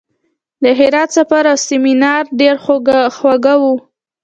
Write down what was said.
د هرات سفر او سیمینار ډېر خواږه وو.